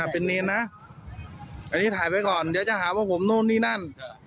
เป็นเนรนะอันนี้ถ่ายไว้ก่อนเดี๋ยวจะหาว่าผมนู่นนี่นั่น